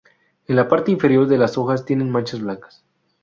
En la parte inferior de las hojas tiene manchas blancas.